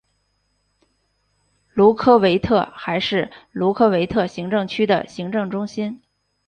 卢科维特还是卢科维特行政区的行政中心。